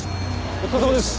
お疲れさまです。